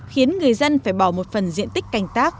khiến người dân phải bỏ một phần diện tích canh tác